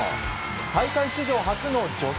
大会史上初の女性